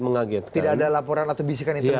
mengagetkan tidak ada laporan atau bisikan intelijen